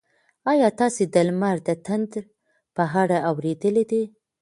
ایا تاسي د لمر د تندر په اړه اورېدلي دي؟